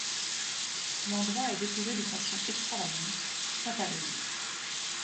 L'endroit est décoré de façon extravagante, tape-à-l'œil.